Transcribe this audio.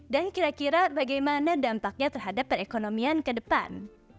dan kira kira bagaimana dampaknya terhadap perekonomian ke depan